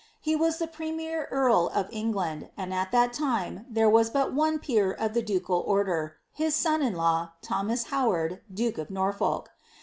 He was the premier earl of England, and at that time there was but one peer of the ducal order, his son in law, Thomas Howard, duke of Nor folk.